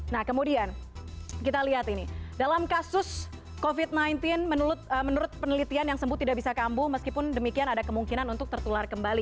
nah kemudian kita lihat ini dalam kasus covid sembilan belas menurut penelitian yang sembuh tidak bisa kambuh meskipun demikian ada kemungkinan untuk tertular kembali